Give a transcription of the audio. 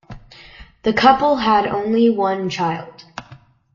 The couple had only one child.